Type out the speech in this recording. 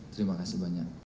terima kasih banyak